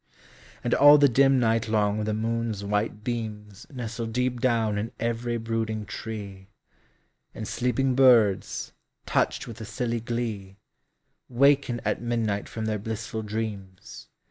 And all the dim night long the moon's white beams Nestle deep down in every brooding tree. And sleeping birds, touched with a silly glee, Waken at midnight from their blissful dreams.